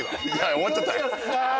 終わっちゃった。